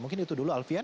mungkin itu dulu alfian